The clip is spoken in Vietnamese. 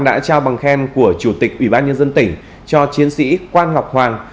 đã trao bằng khen của chủ tịch ủy ban nhân dân tỉnh cho chiến sĩ quan ngọc hoàng